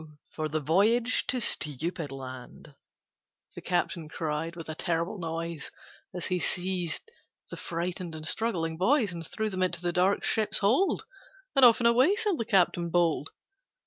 for the voyage to Stupid Land,' The captain cried, with a terrible noise, As he seized the frightened and struggling boys And threw them into the dark ship's hold; And off and away sailed the captain bold.